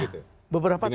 ya beberapa temuan